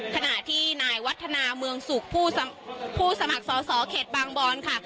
ขณะที่นายวัฒนาเมืองสุขผู้สมัครสอสอเขตบางบอนค่ะ